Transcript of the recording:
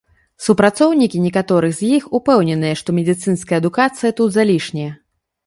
Супрацоўнікі некаторых з іх упэўненыя, што медыцынская адукацыя тут залішняя.